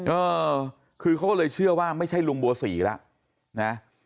เออคือเขาก็เลยเชื่อว่าไม่ใช่ลุงบัวศรีแล้วนะ